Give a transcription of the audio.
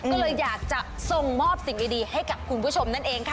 ก็เลยอยากจะส่งมอบสิ่งดีให้กับคุณผู้ชมนั่นเองค่ะ